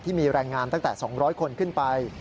ที่มีแรงงานตั้งแต่๒๐๐คนขึ้นไป